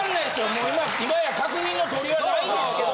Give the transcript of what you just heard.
もう今や確認の取りようはないですけど。